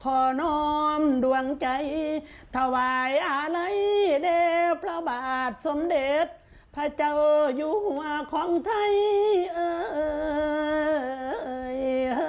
ขอน้อมดวงใจถวายอาลัยแด่พระบาทสมเด็จพระเจ้าอยู่หัวของไทยเอ่ย